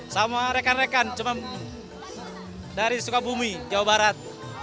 sama rekan rekan cuma dari sukabumi jawa barat